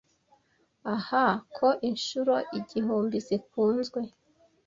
ah ko inshuro igihumbi zikunzwe